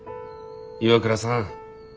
岩倉さん。